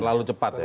terlalu cepat ya